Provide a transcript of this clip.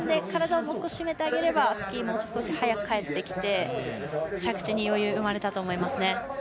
体をもう少し締めてあげればスキーも少し早く返ってきて着地に余裕が生まれたと思います。